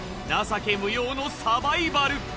情け無用のサバイバル。